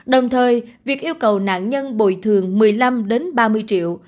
đồng thời việc yêu cầu nạn nhân bồi thường một mươi năm ba mươi triệu